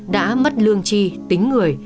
đã mất lương chi tính người